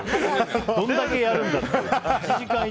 どんだけやるんだっていう。